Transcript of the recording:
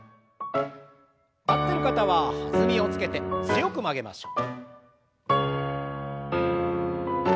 立ってる方は弾みをつけて強く曲げましょう。